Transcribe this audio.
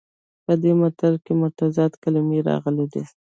په دې متل کې متضادې کلمې راغلي دي